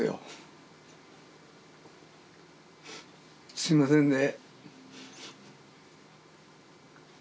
すいませんね。